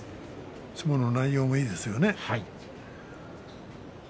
相撲の内容もいいですよね。